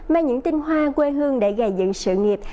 mang những tinh hoa quê hương để gài dựng sự nghiệp